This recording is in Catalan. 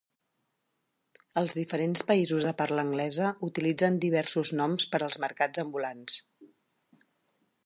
Els diferents països de parla anglesa utilitzen diversos noms per als mercats ambulants.